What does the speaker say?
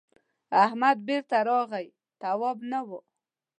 احمد بېرته راغی تواب نه و.